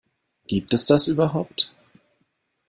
Gibt es das überhaupt?